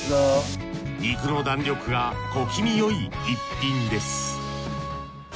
肉の弾力が小気味よい逸品です